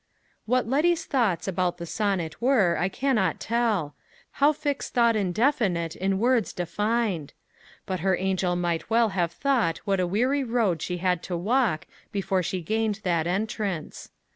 What Letty's thoughts about the sonnet were, I can not tell: how fix thought indefinite in words defined? But her angel might well have thought what a weary road she had to walk before she gained that entrance.